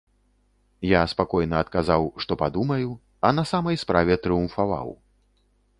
Я спакойна адказаў, што падумаю, а на самай справе трыумфаваў.